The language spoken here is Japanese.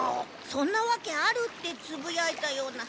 「そんなわけある」ってつぶやいたような。